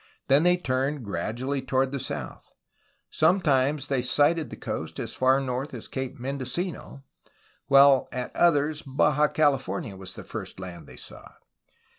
Then they turned gradually toward the south. Sometimes they sighted the coast as far north as Cape Mendocino, while at others Baja California was the first land they saw.